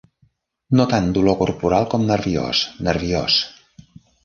No tant dolor corporal com nerviós, nerviós!